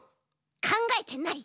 かんがえてない！